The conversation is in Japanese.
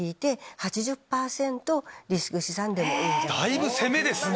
だいぶ攻めですね。